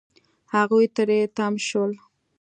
هغوی تری تم شول.